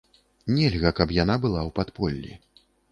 Нельга, каб яна была ў падполлі.